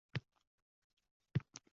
G‘azab otiga minsa, siz pastroq keling.